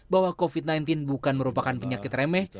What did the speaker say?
bahwa covid sembilan belas bukan merupakan penyakit remeh